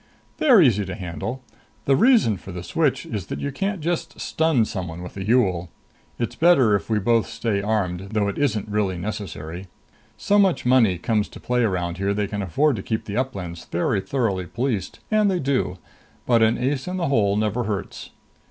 "They're easy to handle. The reason for the switch is that you can't just stun someone with a Yool. It's better if we both stay armed, though it isn't really necessary so much money comes to play around here they can afford to keep the Uplands very thoroughly policed, and they do. But an ace in the hole never hurts."